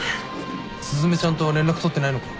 雀ちゃんと連絡取ってないのか？